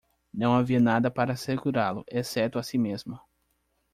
Não havia nada para segurá-lo, exceto a si mesmo.